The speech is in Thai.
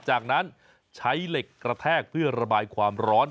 จากนั้นใช้เหล็กกระแทกเพื่อระบายความร้อน